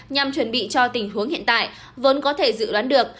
nhằm chuẩn bị cho tình huống hiện tại vốn có thể dự đoán được